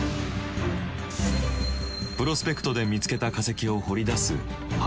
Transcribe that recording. プロスペクトで見つけた化石を掘り出す発掘。